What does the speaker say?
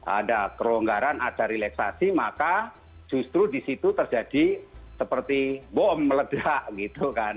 ada keronggaran ada relaksasi maka justru di situ terjadi seperti bom meledak gitu kan